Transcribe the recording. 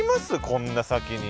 こんな先に。